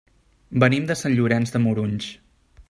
Venim de Sant Llorenç de Morunys.